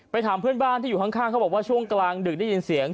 ถามเพื่อนบ้านที่อยู่ข้างเขาบอกว่าช่วงกลางดึกได้ยินเสียง